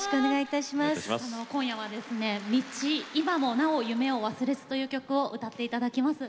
今夜は「みち今もなお夢を忘れず」という曲を歌っていただきます。